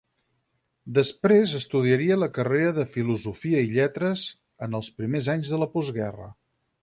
Després estudiaria la carrera de Filosofia i Lletres en els primers anys de la postguerra.